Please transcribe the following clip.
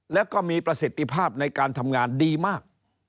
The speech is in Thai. แล้วก็มีประสิทธิภาพในการทำงานดีมาก